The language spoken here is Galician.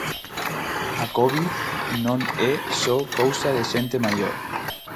A covid non é só cousa de xente maior.